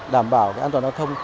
đảm bảo an toàn giao thông